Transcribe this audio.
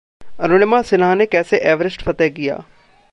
अरुणिमा सिन्हा ने कैसे एवरेस्ट फतह किया...